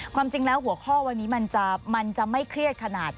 ความจริงแล้วหัวข้อวันนี้มันจะไม่เครียดขนาด